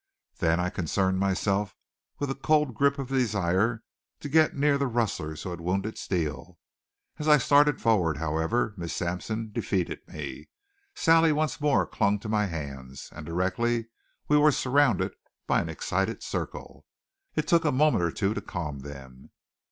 Then I concerned myself with a cold grip of desire to get near the rustler who had wounded Steele. As I started forward, however, Miss Sampson defeated me. Sally once more clung to my hands, and directly we were surrounded by an excited circle. It took a moment or two to calm them.